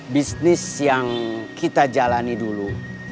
bisnis yang kita jalani dulu